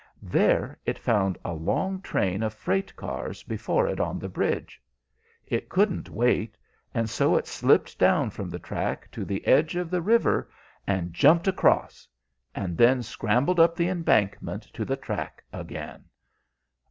There it found a long train of freight cars before it on the bridge. It couldn't wait, and so it slipped down from the track to the edge of the river and jumped across, and then scrambled up the embankment to the track again."